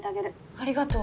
ありがとう。